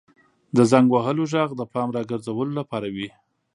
• د زنګ وهلو ږغ د پام راګرځولو لپاره وي.